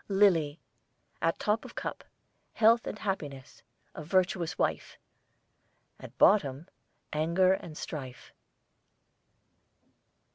LILY, at top of cup, health and happiness; a virtuous wife; at bottom, anger and strife.